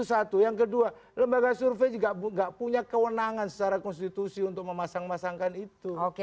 satu yang kedua lembaga survei juga nggak punya kewenangan secara konstitusi untuk memasang masangkan itu